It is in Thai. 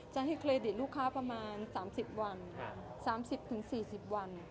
จะให้เครดิตลูกค้าประมาณ๓๐วัน๓๐๔๐วัน